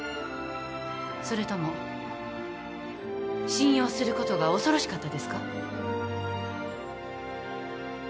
それとも信用することが恐ろしかったですか？